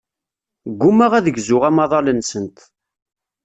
Ggummaɣ ad gzuɣ amaḍal-nsent.